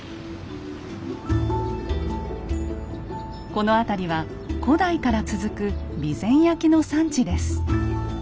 この辺りは古代から続く備前焼の産地です。